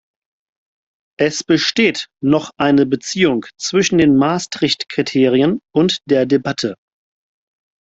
Es besteht noch eine Beziehung zwischen den Maastricht-Kriterien und der Debatte.